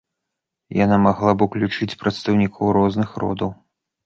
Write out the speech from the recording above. Яна магла ўключаць прадстаўнікоў розных родаў.